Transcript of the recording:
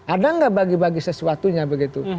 ada nggak bagi bagi sesuatunya begitu